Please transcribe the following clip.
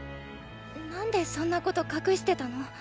なんでそんなこと隠してたの？